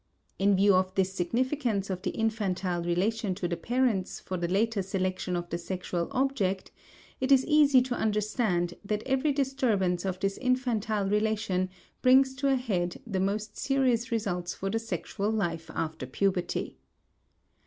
In view of this significance of the infantile relation to the parents for the later selection of the sexual object, it is easy to understand that every disturbance of this infantile relation brings to a head the most serious results for the sexual life after puberty.